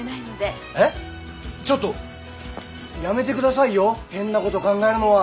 えっちょっとやめてくださいよ変なこと考えるのは。